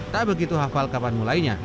tak begitu hafal kapan mulainya